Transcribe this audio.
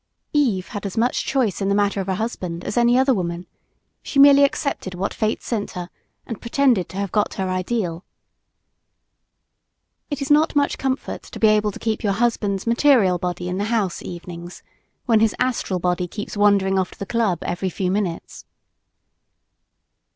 Eve had as much choice in the matter of a husband as any other woman. She merely accepted what fate sent her, and pretended to have gotten her "ideal." It is not much comfort to be able to keep your husband's material body in the house evenings, when his astral body keeps wandering off to the club, every few minutes.